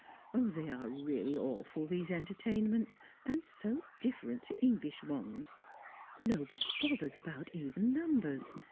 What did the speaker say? They are really awful these entertainments, and so different to English ones! Nobody bothers about even numbers.